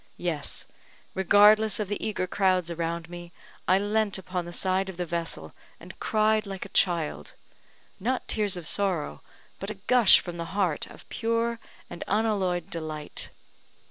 Yes, regardless of the eager crowds around me, I leant upon the side of the vessel and cried like a child not tears of sorrow, but a gush from the heart of pure and unalloyed delight.